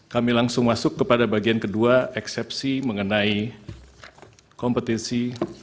kami langsung masuk kepada bagian kedua eksepsi mengenai kompetisi